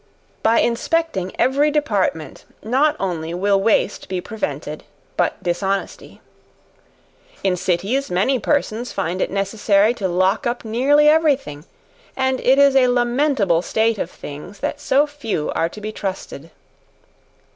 By inspecting every department, not only will waste be prevented, but dishonesty. In cities many persons find it necessary to lock up nearly every thing; and it is a lamentable state of things that so few are to be trusted.